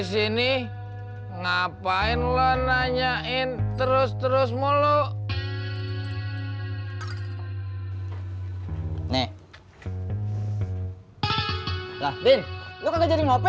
sini ngapain lo nanyain terus terus mulu nih lah din lu kejarin hp